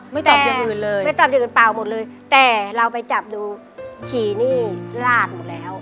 ไม่ตอบอย่างอื่นเลยไม่ตอบอย่างอื่นเปล่าหมดเลยแต่เราไปจับดูฉี่นี่ลาดหมดแล้ว